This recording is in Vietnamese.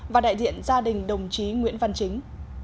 và đại diện gia đình đồng chí nguyễn văn chính